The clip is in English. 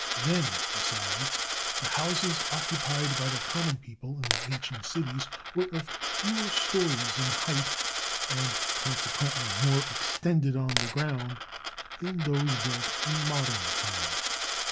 Then, be sides, the houses occupied by the common people in the ancient cities were of fewer stories in height, and conse quently more extended on the ground, than those built in modern times.